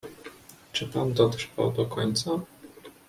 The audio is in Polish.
"Czy pan dotrwał do końca?"